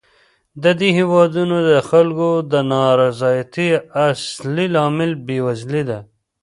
د دې هېوادونو د خلکو د نا رضایتۍ اصلي لامل بېوزلي ده.